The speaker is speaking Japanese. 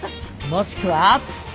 もしくは僕！